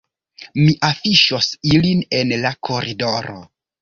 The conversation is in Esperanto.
Mi afiŝos ilin en la koridoro